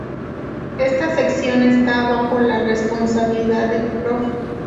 Esta sección estaba bajo la responsabilidad del Prof.